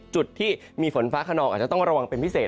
จุดที่มีฝนฟ้าขนองอาจจะต้องระวังเป็นพิเศษ